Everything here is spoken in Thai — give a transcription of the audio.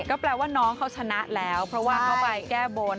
ก็แปลว่าน้องเขาชนะแล้วเพราะว่าเขาไปแก้บน